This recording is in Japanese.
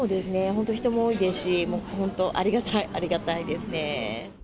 本当、人も多いですし、もう本当、ありがたい、ありがたいですね。